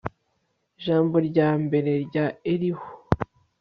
ijambo rya mbere rya elihu